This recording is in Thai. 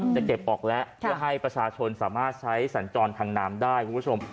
จะเก็บออกแล้วเพื่อให้ประชาชนสามารถใช้สัญจรทางน้ำได้คุณผู้ชม